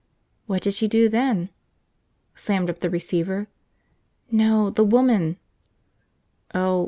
"What did she do then?" "Slammed up the receiver." "No – the woman!" "Oh.